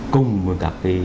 cung với các